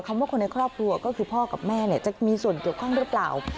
ว่าคนในครอบครัวก็คือพ่อกับแม่จะมีส่วนเกี่ยวข้องหรือเปล่า